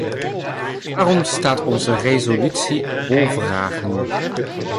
Daarom staat onze resolutie ook vol vragen.